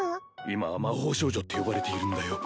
今は魔法少女って呼ばれているんだよ